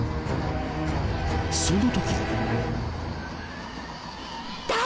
その時。